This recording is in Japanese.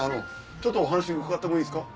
ちょっとお話伺ってもいいですか？